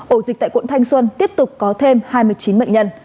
ổ dịch tại quận thanh xuân tiếp tục có thêm hai mươi chín bệnh nhân